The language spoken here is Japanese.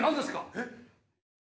えっ？